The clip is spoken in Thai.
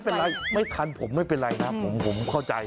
เป็นไรไม่ทันผมไม่เป็นไรนะผมเข้าใจ